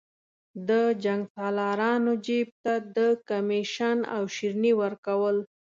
د جنګسالارانو جیب ته د کمېشن او شریني ورکول.